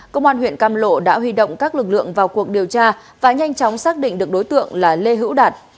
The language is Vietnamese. công an huyện cam lộ đã huy động các lực lượng vào cuộc điều tra và nhanh chóng xác định được đối tượng là lê hữu đạt